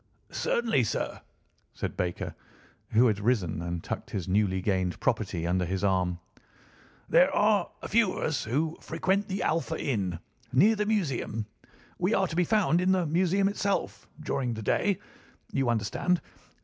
"Certainly, sir," said Baker, who had risen and tucked his newly gained property under his arm. "There are a few of us who frequent the Alpha Inn, near the Museum—we are to be found in the Museum itself during the day, you understand.